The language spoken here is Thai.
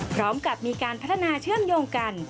พร้อมกับมีการพัฒนาเชื่อมโยงกัน